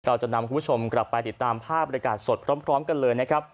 เราจะนำคุณผู้ชมกลับไปติดตามภาพบริการสดพร้อมกันเลยนะครับ